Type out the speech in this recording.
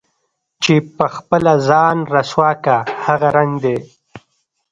چې په خپله ځان رسوا كا هغه رنګ دے